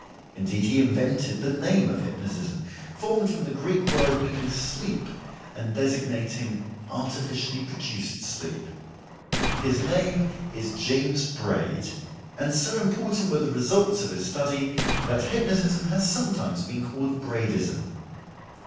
Indeed he invented the name of hypnotism, formed from the Greek word meaning 'sleep', and designating 'artificially produced sleep'. His name is James Braid, and so important were the results of his study that hypnotism has sometimes been called "Braidism".